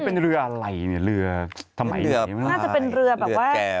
เป็นเรืออะไรเนี่ยเรือทำไมเรือใช่ไหมน่าจะเป็นเรือแบบว่า